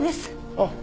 あっ。